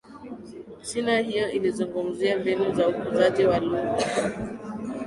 Sina hiyo ilizungumzia mbinu za ukuzaji wa lugha